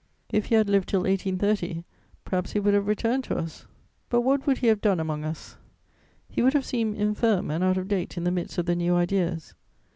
If he had lived till 1830, perhaps he would have returned to us; but what would he have done among us? He would have seemed infirm and out of date in the midst of the new ideas.